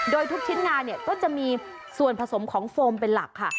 โดยทุกชิ้นงานก็จะมีส่วนผสมของโฟมเป็นหลักค่ะ